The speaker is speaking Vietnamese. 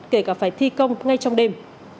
kể cả phải thi công ngay trong đêm